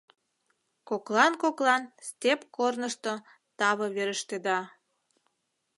Коклан-коклан степь корнышто таве верештеда.